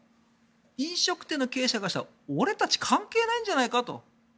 飲食店の経営者からしたら俺たち関係ないんじゃないかと。